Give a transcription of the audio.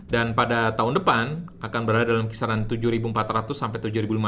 dan pada tahun depan akan berada dalam kisaran tujuh empat ratus sampai tujuh lima ratus